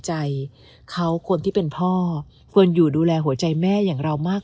ใจเขาคนที่เป็นพ่อควรอยู่ดูแลหัวใจแม่อย่างเรามาก